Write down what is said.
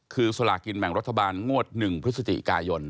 คือสลากินแบ่งรัฐบาลงวด๑พฤศจิกายน